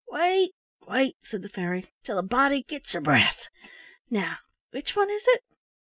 "Wait, wait," said the fairy, "till a body gets her breath. Now which one is it?"